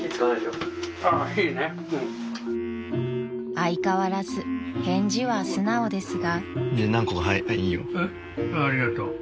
［相変わらず返事は素直ですが］